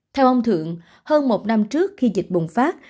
theo ông thượng hơn một năm trước khi dịch bùng phát